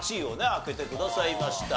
開けてくださいました。